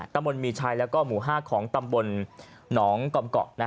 ตำบลมีชัยแล้วก็หมู่๕ของตำบลหนองกอมเกาะ